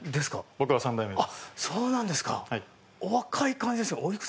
僕が３代目です。